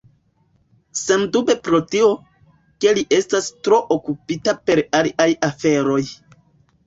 Sendube pro tio, ke li estas tro okupita per aliaj aferoj.